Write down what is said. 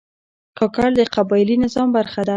کاکړ د قبایلي نظام برخه ده.